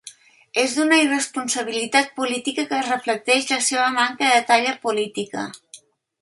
És d’una irresponsabilitat política que reflecteix la seva manca de talla política.